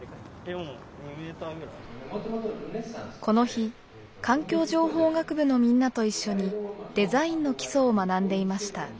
この日環境情報学部のみんなと一緒にデザインの基礎を学んでいました。